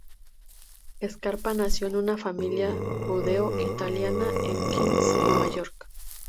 Scarpa nació en una familia judeo-italiana en Queens, Nueva York.